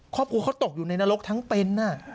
ครอบครัวเขาตกอยู่ในนรกทั้งเป็น